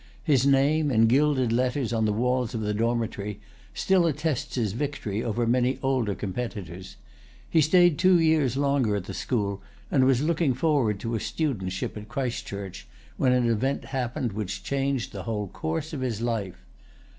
His name in gilded letters on the walls of the dormitory still attests his victory over many older competitors. He stayed two years longer at the school, and was looking forward to a studentship at Christ Church, when an event happened which changed the whole course of his life.